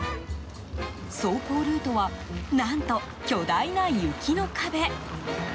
走行ルートは何と、巨大な雪の壁。